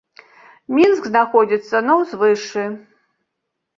Мінск знаходзіцца на ўзвышшы.